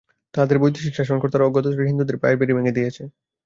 তাদের বৈদেশিক শাসনকর্তারা অজ্ঞাতসারে হিন্দুদের পায়ের বেড়ি ভেঙে দিয়েছে।